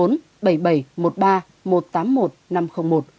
hoặc là cộng bốn mươi bốn bảy mươi bảy một mươi ba một trăm tám mươi một năm trăm linh một